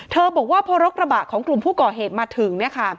บอกว่าพอรถกระบะของกลุ่มผู้ก่อเหตุมาถึง